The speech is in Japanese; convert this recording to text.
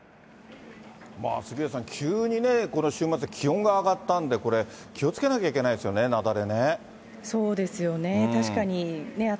杉上さん、急にこの週末、気温が上がったんで、これ、気をつけなきゃいけないですよね、雪崩ね。